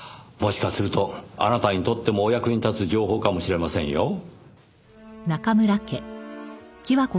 もしかするとあなたにとってもお役に立つ情報かもしれませんよ。